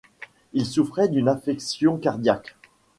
Il souffrait d'une affection cardiaque.